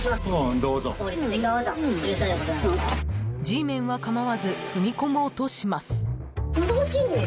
［Ｇメンは構わず踏み込もうとします］